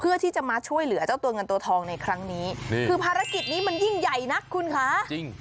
เพื่อที่จะมาช่วยเหลือเจ้าตัวเงินตัวทองในครั้งนี้คือภารกิจนี้มันยิ่งใหญ่นักคุณคะจริง